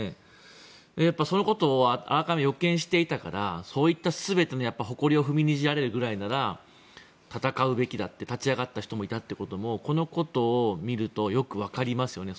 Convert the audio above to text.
そのことをあらかじめ予見していたからそういった全ての誇りを踏みにじられるくらいなら戦うべきだって立ち上がった人もいたということがこのことを見るとよくわかりますよね。